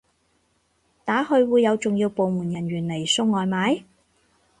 打去會有重要部門人員嚟送外賣？